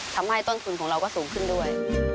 ต้นทุนของเราก็สูงขึ้นด้วย